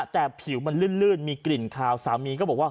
แต่ผิวมันลื่นมีกลิ่นคาวสามีก็บอกว่า